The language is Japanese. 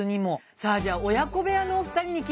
さあじゃあ親子部屋のお二人に聞いてみましょう。